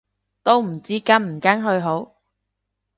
都唔知跟唔跟去好